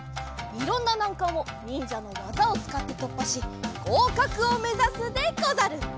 いろんななんかんをにんじゃのわざをつかってとっぱしごうかくをめざすでござる。